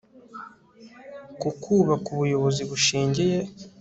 ku kubaka ubuyobozi bushingiye